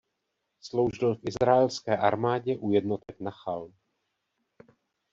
Sloužil v izraelské armádě u jednotek nachal.